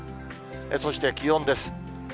そして気温です。